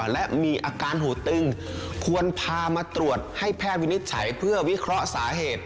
และมีอาการหูตึงควรพามาตรวจให้แพทย์วินิจฉัยเพื่อวิเคราะห์สาเหตุ